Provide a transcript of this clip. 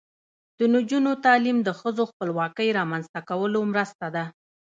د نجونو تعلیم د ښځو خپلواکۍ رامنځته کولو مرسته ده.